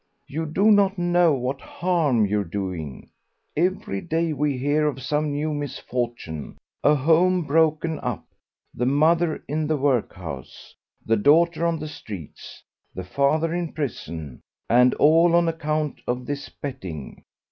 You do not know what harm you're doing. Every day we hear of some new misfortune a home broken up, the mother in the workhouse, the daughter on the streets, the father in prison, and all on account of this betting.